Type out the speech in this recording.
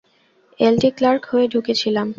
এল D clerk হয়ে ঢুকেছিলেন।